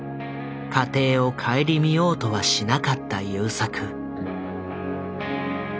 家庭を顧みようとはしなかった優作。